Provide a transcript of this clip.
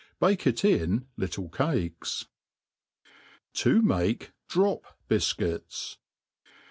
Bake it in little cakes. 7i make Prop Bifcuits.